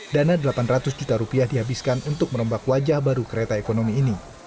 dana rp delapan ratus juta dihabiskan untuk menombak wajah baru kereta ekonomi ini